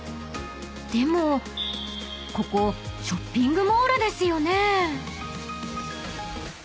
［でもここショッピングモールですよね？］